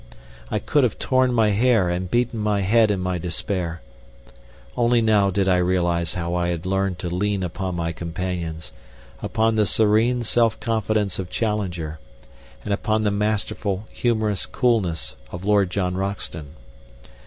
I could have torn my hair and beaten my head in my despair. Only now did I realize how I had learned to lean upon my companions, upon the serene self confidence of Challenger, and upon the masterful, humorous coolness of Lord John Roxton.